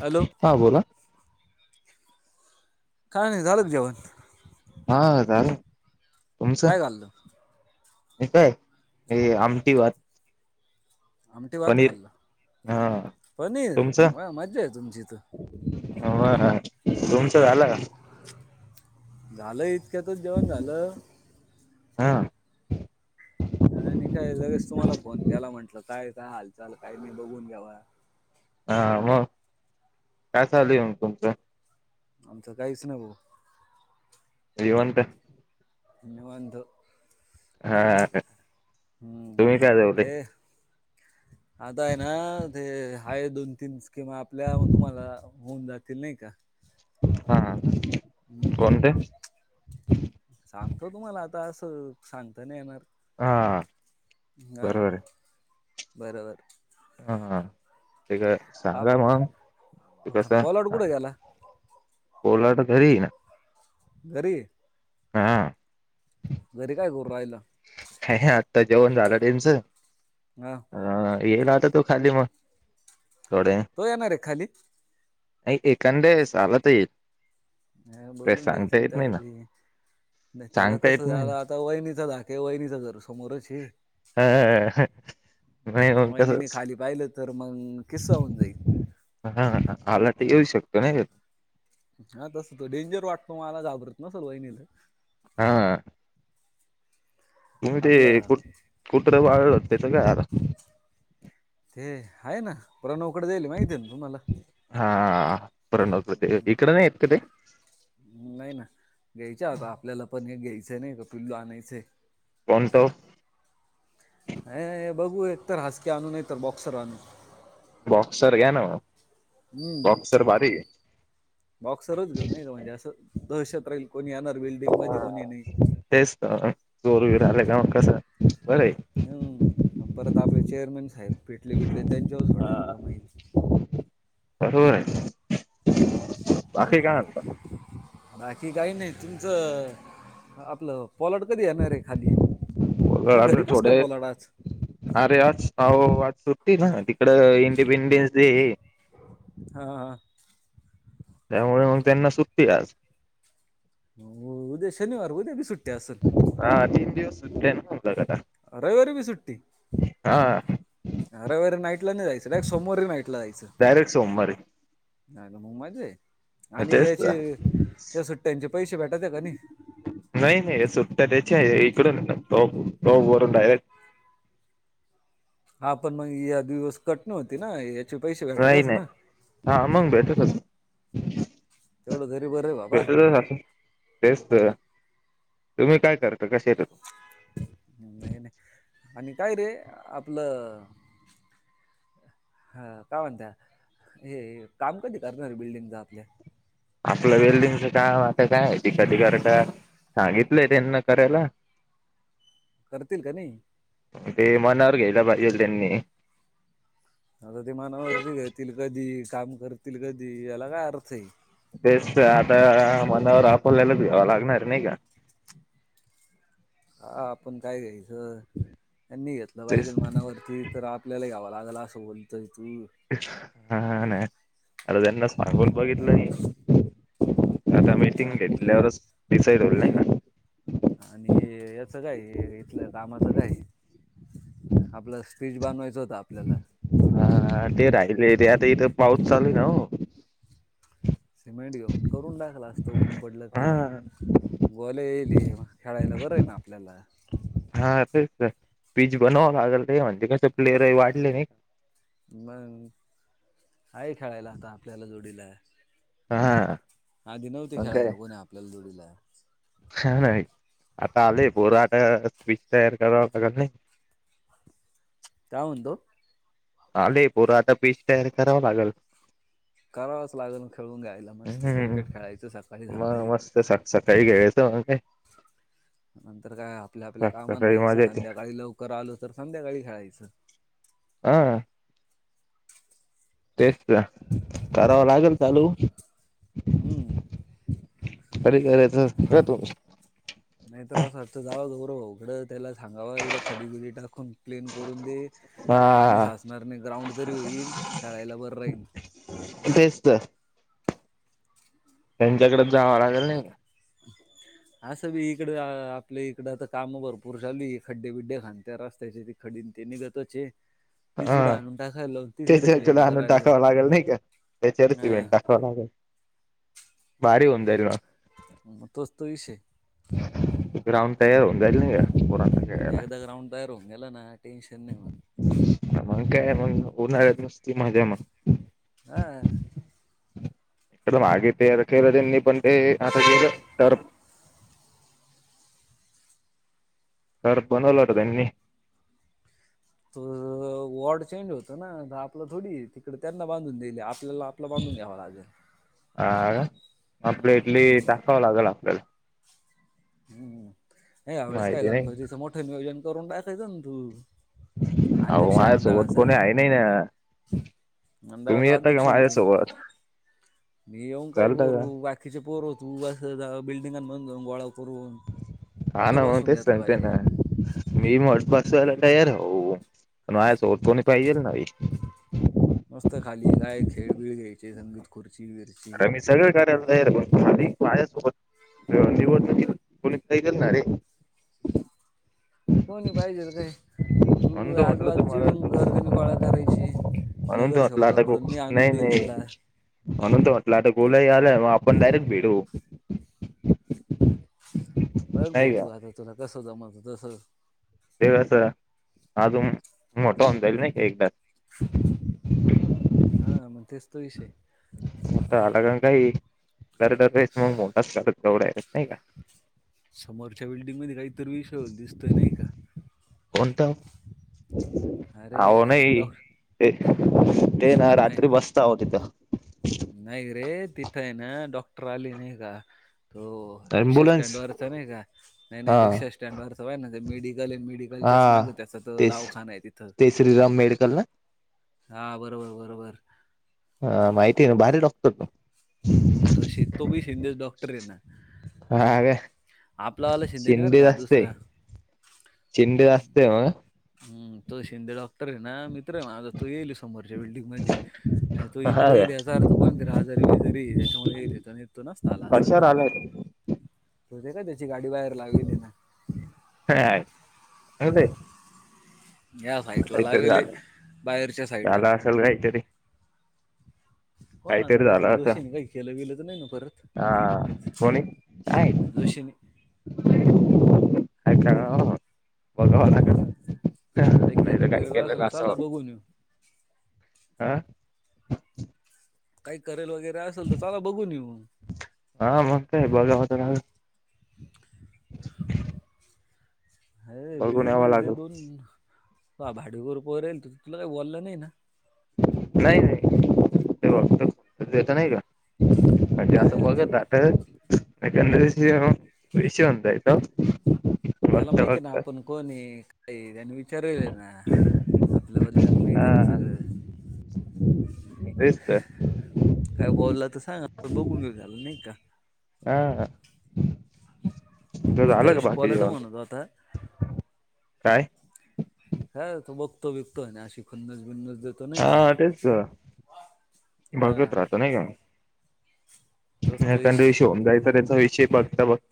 Hello हा बोला काय नाही झालं का जेवण हा झाले काय घाल खाल्ल? हे काय हे आमठी भात. आमटी भात पनीर खाल्लं हा पनीर तुमचं? वा मज्जा आहे तुमची तर हो हा तूमचं झालं का? झालं इतक्यातच जेवण झालं. हा. आणि काय लगेच तुम्हाला फोन केला म्हंटलं, काय का हालचाल काय नाही बघून घ्यावा. हा मग काय चालू म तुमचं? आमचं काहीच नाही भाऊ. निवांत. निवांत. हा. हम्म तुम्ही काय जेवले ते. आता आहे ना, ते हाय दोन, तीन स्कीमा आपल्या तुम्हाला होऊन जात. ते नाही का? हा हम्म. कोणते? सांगतो तुम्हाला आता असं सांगताना येणार हा हा बरोबर आहे बरोबर हाा ते का हा सांगा मग त कस ब ऊलट घरी हे. घरी हा. घरी काय करु राहिला? ह्या ह्या आत्ता जेवण झालं त्यांचं. हा. अ येईल आता तू खाली मग. थोडे कवा येनार हे खाली. नाही एखांद चालत येईल. नई काय बोलून सांगता घ्यायचं ना, येत नाही त्याला भी नाही त्याला सांगता येत नाही कसला आता वहिनीचा धाख. ते वहीनी तर घर समोरच हे. ना ह नाही मग वहिनीने कसच खाली पाहिलं तर? मग किस्सा होऊन जाईल हा हालाटी येऊ शकतो नाही का? हा तस तो डेंजर वाटतो मला घाबरत न सल वहिणीला. अ हा. तुम्ही ते आपलं कुत कुत्र पाळलं होत तेच काय झाल? ते आहेय ना, प्रणवकडे जाईल माहिती आहे ना तुम्हाला हा परण नव्हत इकडे नाही आहेत क ते? नाही ना घ्यायच्या आता आपल्याला पण हे घ्यायचं नाही का पिलू आणायचंय. कोणंत ओ. अ बघू एकतर हासके आणू तर बॉक्सर आणू. बॉक्सर घ्या ना. बॉक्सर भारी हम्म आहे बॉक्सरच घेऊन नाही का म्हणजे असं दहशत राहील. कोणी येणार बिल्डिंग मध्ये हा कोणी नाही तेच तर जोरवीर आलं काव कसं. बरं आहे हम्म परत आपले चेअरमन साहेब पिटले बिटले त्यांच्यावर सोडायला का माई. होय. बाकी काय महनता बाकी काही नाही तुमचं आपलं पलट कधी येणार रे खाली. वगळ नाही, आपडे घरी कस काय थोडे पोलाड आज अरे आज आव वाज सु. ते ना तिकड इंडिपेंडेन्स डे. हा हा त्यामुळे मग त्यांना सुट्टी आज. हो उद्या शनिवार उद्या बी सुट्ट्या असल. हा तीन दिवस हो आहे ना आपल्याकडं रविवारी भी सुुट्टी. हा रवीवारी नाईट नाही जायचं डायरेक्ट सोमवारी ही नाईटला जायचं. डायरेक्ट सोमवारी मग माझ आहे आणि तेच तर याचे या सुट्ट्यांचे पैसे भेटत का नाही. नाही नाही सुट्या त्याच्या आहे. टोप टोप बरयरट हा पण मग या द दिवस कटणी होती ना. पैसे नाही भेटायचेच नाही ना हा ममंग बठ होत. तेवढं तरी बरं आहे बाबा बस तेसत. तुम्ही काय करता कसे येत तू. नाही नाही आणि काय रे आपलं. हा काय म्हणत हे काम कधी करणारे बिल्डिंगचा आपल्या. आपलं वेल्दिंगचं काम आता काय त कधिकारक. सांगितलंय त्यांना करायला. करतील का नाही ते मनावर घ्यायला पाहिजे त्यांनी. आता ते मनावरती घेतील कधी काम करतील कधी याला काय अर्थ आहे. तेच तर आता मनावर आपल्याला घ्यावा लागणार नाही का. हा आपण काय घ्यायच त्यांनी घेतलं पाहिजे तेच मनावरती तर आपल्याला घ्याव लागत. कला अस बोलतय तू. हा हा नाही आता त्यांना सांगून बघितलं नाही. आता मीटिंग हा घेतल्यावरच डिसाईड होईल नाही ना. आणि याच काय इथलं कामाचं काय. आपला स्पीच बनवायचं होत आपल्याला. हा ते राहिले ते आता इथं पाऊस चालूय ना हो. सिमेंट घेऊन करून टाकला असतो ऊन पडल का. हा गोले येईली खेळायला बरं आहे ना आपल्याला. ते पीच बनवावं लागेल म्हणजे कस प्लेयर वाढले नाही का. मग आहे खेळायला आता आपल्याला जोडीला आहे. का हा आधी नव्हते मग खेळायला कोण आपल्याला जोडीला. छान नाही आता आले पोर पीच तयार करावा लागल नाही. का म्हत. आले पोर आता पीच तयार कराव लागेल. [inaudible] करावाच लागेल खेळून घ्यायला मस्त हम्म क्रिकेट खेळायचं सकाळी मग सकाळी. मस्त सक सकाळी खेळायचं मग काय नंतर काय आपल्या आपल्या कामाात सकाळी जायचं मजा येते संध्याकाळी लवकर आलो तर संध्याकाळी खेळायचं. हम. तेच करावा लागेल चालू. हम्म. अरे खरच का तू. नाही तर असं वाटतं जाव गौरव उघडं. त्याला सांगावा इकडं खडीबिडी टाकून प्लेन करून दे पाणी हा साचणार नाही ग्राउंड तरी होईल. येईल खेळायला बरं राहीन. तेच तर. त्यांच्याकडे जावं लागेल नाही. [inaudible] असं बी इकडे आपल्या इकडं आ काम भरपूर चाली खड्डे बिड्डे खात्या रस्त्याची ती खडी. ति निगतचय. हा इडं त्याच्या प्लेन तुला आणून करायला लावून टाकावं लागेल नाही का. त्याचर हा. सिमेंट टाकवा लागल भारी होऊन जाईल. तोच तो विष. जाहिले का आहे. एकदा गग्राउंड तयार होऊन गेला ना टेनशन नाही मग. मग काय मग उन्हाळ्यात नुसती मजा मग. हा त्या मागे ते केेलं त्यांनी पण ते आता गेलं तर. [inaudible] तर बनवलं होत त्यांनी. तर वॉर्ड चेंज होत ना आपलं थोडी तिकड त्यांना बांधून दिली आप आपलं बांधून घ्यावा राजे हा आपल्या इतली टाखवं लागेल आपल्याला हम्म नाही या वेळेस काय माहिती नाही गणपती तिचं मोठं नियोजन करून टाकायचं ना तू आहो अध्यक्ष आहे माझ्या सोबत मंडळाचा कोणी आहेय नाहीय ना तुम्ही मंडळाचा यता का अध्यक्ष आहे ना तू माझ्यासोबत मी येऊन काय चालता का करू बाकीचे पोर हो तू बस बिल्डिंगां जाऊन गोळात हा नावते सटे ना पाहिजे मी मोड बसवाला. तर हो पण आ स डतोणी पाहिजेल ना. मस्त खाली काय खेळबिळ घ्यायचे संगीत खुर. अर मी सगळं करायला तयार माझ. निवड कोणी काही करणारे. कोणी पाहिजे काय तू म्हणून तर म्हटलं आजूबाजू तुम्हाला चिडून घर तो- कणी गोळा करायची. म्हणून त म्हटलं आता ग नगरसेवकाकडून मी आणून नाही देईल तुला नाही. म्हणून तर म्हटलं आता गोलाही आलाय मग आपण डायरेक्ट भेडू. बघ बो तू आद आहे तुला कसो जमातो तस. तेवस हजू मोठा अ जााईल नाही एकदास. हा मग तेच तो विषय. ता अलाग काही. दर दरस मग मोठाच करत प्रवडाच नाही का. समोरच्या बिल्डिंगमध्येध्ये काहीतरी विषय दिसतय नाही का कोणता अरे आहो नाही डॉक ते ते ना नाही, रात्री बसताह तिथं नाही रे तिथं आहे ना डॉक्टर आली नाही का तो रिक्षा स्टँड अम्ब्युलन्स वरच नाही का नाही नाही हा रिक्षा स्टँड वरच आहेय ना ते मेडिकल ए मेडिकलच्याच हा मागत तेच दावखान आहे तिथं ते श्रीराम मेडिकल ना हा बरोबर बरोबर हा माहिती आहे ना भारी डॉक्टर तू हम् त तो पी शिंदेच डॉक्टर आहे ना हा का आपलावाला शिंदे नाही बरं शिंडी का द अस दुसरा. िंडे अस असते मग हम् तो शिंदे डॉक्टर आहे ना मित्र आहे माझा तू येईल समोरच्या बिल्डिंग मध्ये त हा इकडे काय येईल असा अर्थ कोणतरी हजारी विजारी त्याच्यामुळे येईल घतो ना तला अस कशावर आलाय हो का त्या गाडी बाहेर लाली ना अ ते या साईडला काहीतरी लागले झालं बाहेरच्या साईडला झालं असेल काहीतरी हो ना काहीतरी झालं असं जोशी ना काही खेलं गेलं तर नाही ना परत हा कोणी काय जोशी खशीन अ का बघवा का नाही तर करेल काही वगैरे केलेलं असेल चला असव बघून येऊ हा काही करेल वगैरे असेल तर चला बघून येऊ हा मग काय बघा होता अरे बघून याव लागल ह भाडीवर पोर येईल त तुला काही बोललं नाही ना नाही नाही तेवता नाही का म्हजे असं काय बघत कोण नाता मकंद विष विषव एंदयतो त्याला माहिती आहे ना आपण कोण आहे कायच ठरवेल आहे ना आपल्या बदलाला माहित आहे ना हा सगळं तेच तर काय बोलला तर सांग पण बघून घेऊ झालं नाही का? हा तुझं मग त्या झालं का दिवशी बाकी पलाटव जेवण म्हणतो आता काय हा तो बघतो बिकतो आहे ना अशी खनज बिनज हा तेच हा बघत राहत नाही का? तोच तो विषय कारणष होऊन जायच त्याचा विषय बघता बघता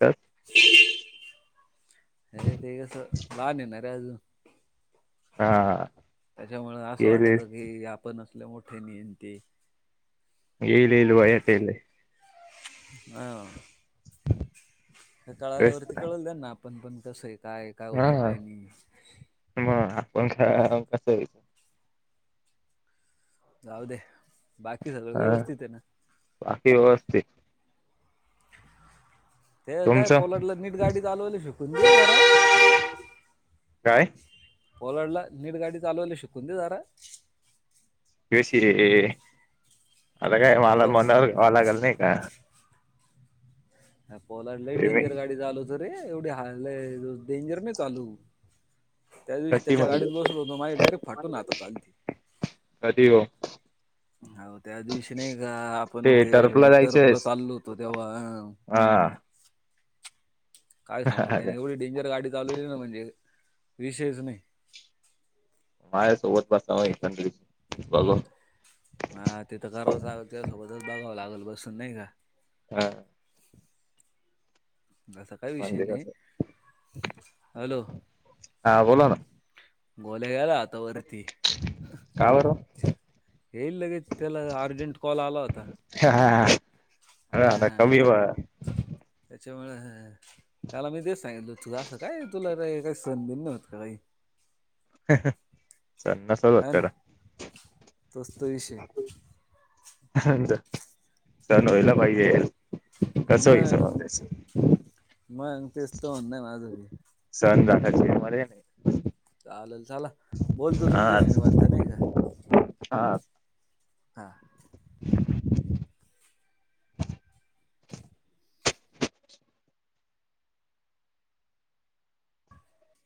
अरे ते कस लहान आहे ना रे अजून हा. त्याच्यामुळ असं येईल वाटत येईल की आपण असले मोठे नियती येईल येईल बा येतेले हा. त्या तेच कळाल्यावरती तर कळल द्या ना आपण पण कसं आहे. काय काय होतं हा काय नाही. हा कस हाय? जाऊदे हा बाकी व्यवस्थित ते काय तुमचं पोलाटला नीट गाडी चालवायला शिकून घे जरा काय? ओलाडला नीट गाडी चालवायला शिकून घे जरा चशी अला काय मला पो मणा वालागल नाही का हा पोलाडला लई डेंजर गाडी चालवतो रे एवढी हान डेंजर नको चालवू. त्या दिवशी कशी त्याच्या म्हणजे गाडीत बसलो होतो माझी डायरेक्ट फाटून हातात आलती. कधी हो. हो त्या दिवशी नाही का आपण ते टर्फला टर्पला जायचंयस चाललो होतो तेव्हा हा हा. काय सांगू त्याने एवढी डेंजर गाडी चालवली ना म्हणजे विषयच नाही. माझ्या सोबत पण तवा [unintelligible] हा तिथं करावंच लागत ना त्याच्या सोबतच बघावं लागेल बसून नाही का हा. असा काही विषय नाही हॅलो हा बोला ना निघाला आता वरती का बरं येईल लगेच त्याला अर्जंट कॉल आला होता. ह हा कमी बा त्याच्यामुळे त्याला मी ते सांगितल तुला असं काय तुला काही संधी नव्हती का काही [inaudible] हा ना तो [unintelligible] तोच विषय सण होईला पाहीजे. मग मग तेस तो होणार माझ बी [unintelligible] चालेल चला बोलतो हा तुमच्याशी निवांत नाही का हा. हां. [inaudible]